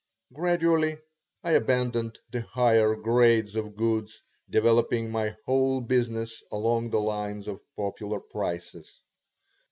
Gradually I abandoned the higher grades of goods, developing my whole business along the lines of popular prices.